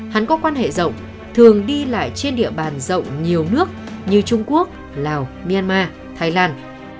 hắn có quan hệ rộng thường đi lại trên địa bàn rộng nhiều nước như trung quốc lào myanmar thái lan